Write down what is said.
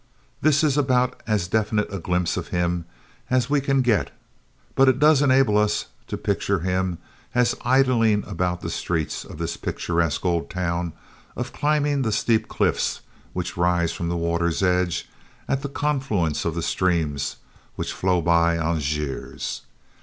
This is about as definite a glimpse of him as we can get, but it does enable us to picture him as idling about the streets of this picturesque old town, or climbing the steep cliffs which rise from the water's edge, at the confluence of the streams which flow by Angers.